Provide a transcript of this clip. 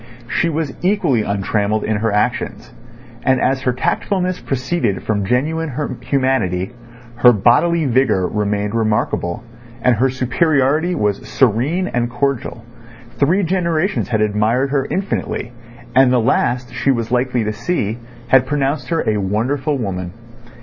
She was equally untrammelled in her actions; and as her tactfulness proceeded from genuine humanity, her bodily vigour remained remarkable and her superiority was serene and cordial, three generations had admired her infinitely, and the last she was likely to see had pronounced her a wonderful woman.